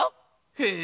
へえ。